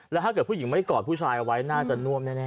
แล้วถ้าเกิดผู้หญิงไม่ได้กอดผู้ชายเอาไว้น่าจะน่วมแน่